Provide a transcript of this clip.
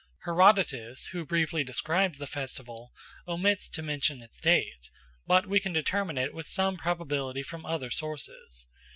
Herodotus, who briefly describes the festival, omits to mention its date, but we can determine it with some probability from other sources.